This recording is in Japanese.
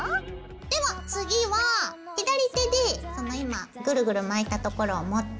では次は左手でその今ぐるぐる巻いたところを持って。